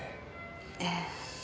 ええ。